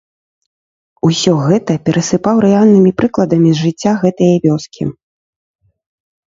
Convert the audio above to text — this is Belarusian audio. Усё гэта перасыпаў рэальнымі прыкладамі з жыцця гэтае вёскі.